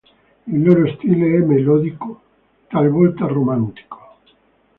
Il loro stile è melodico, talvolta romantico.